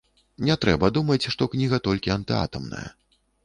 Не трэба думаць, што кніга толькі антыатамная.